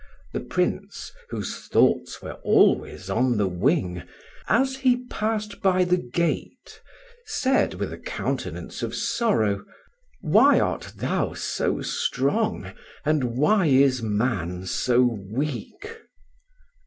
The Prince, whose thoughts were always on the wing, as he passed by the gate said, with a countenance of sorrow, "Why art thou so strong, and why is man so weak?"